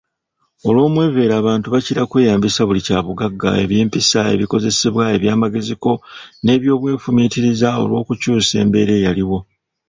Olw’omweveero abantu baakira okweyambisa buli kyabugagga, ebyempisa, ebikozesebwa, ebyamagezi ko n’ebyobwefumiitiriza olw’okukyusa embeera eyaliwo.